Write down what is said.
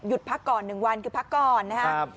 พักก่อน๑วันคือพักก่อนนะครับ